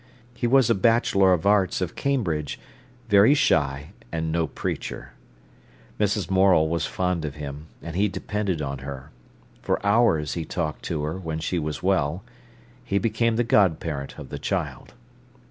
He was a Bachelor of Arts of Cambridge, very shy, and no preacher. Mrs. Morel was fond of him, and he depended on her. For hours he talked to her, when she was well. He became the god parent of the child.